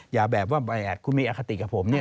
อย่าแบบว่าคุณมีอคติกับผม